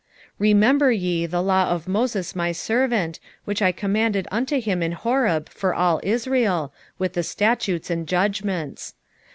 4:4 Remember ye the law of Moses my servant, which I commanded unto him in Horeb for all Israel, with the statutes and judgments.